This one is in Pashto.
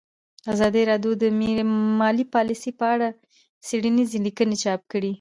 ازادي راډیو د مالي پالیسي په اړه څېړنیزې لیکنې چاپ کړي.